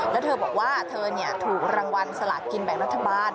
แล้วเธอบอกว่าเธอถูกรางวัลสลากกินแบ่งรัฐบาล